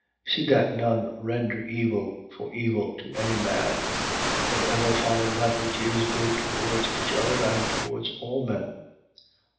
See that none render evil for evil to any man: but ever follow that which is good towards each other and towards all men.